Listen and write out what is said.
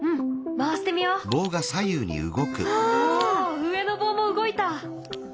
上の棒も動いた。